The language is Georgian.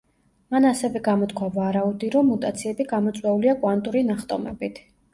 მან ასევე გამოთქვა ვარაუდი, რომ მუტაციები გამოწვეულია „კვანტური ნახტომებით“.